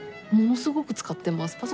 ものすごく使ってます。